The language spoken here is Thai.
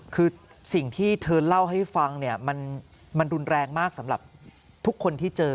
คือสิ่งที่เธอเล่าให้ฟังเนี่ยมันรุนแรงมากสำหรับทุกคนที่เจอ